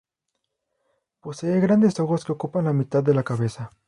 Posee grandes ojos, que ocupan la mitad de la cabeza.